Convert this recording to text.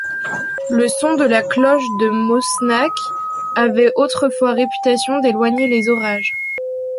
Le son de la cloche de Mosnac avait autrefois réputation d'éloigner les orages.